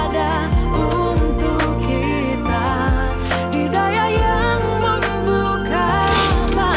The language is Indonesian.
tapi yang jujur kita boleh serupa lagi mama